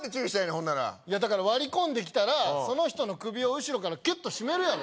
ほんならだから割り込んできたらその人の首を後ろからキュッと絞めるやろ？